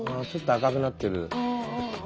ちょっと赤くなってる。